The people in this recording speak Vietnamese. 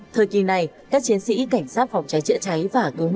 thời kỳ này các chiến sĩ cảnh sát phòng cháy chữa cháy và cứu nạn